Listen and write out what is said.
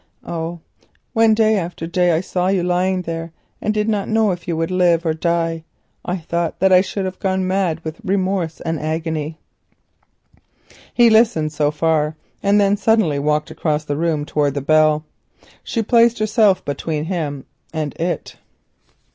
Oh! when day after day I saw you lying there and did not know if you would live or die, I thought that I should have gone mad with remorse and agony!" He listened so far, and then suddenly walked across the room towards the bell. She placed herself between him and it.